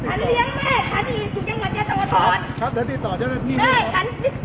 ฉันเลี้ยงแม่ทันทีอยู่ถูกจังหวัดแยธานกฐาน